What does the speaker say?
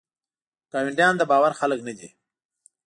ګاونډیان دباور خلګ نه دي.